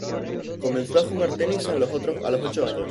Comenzó a jugar tenis a los ocho años.